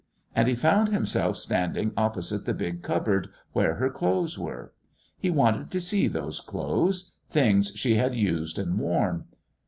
And he found himself standing opposite the big cupboard where her clothes were. He wanted to see those clothes things she had used and worn.